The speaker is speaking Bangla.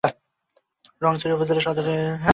রোয়াংছড়ি উপজেলা সদর এ ইউনিয়নে অবস্থিত।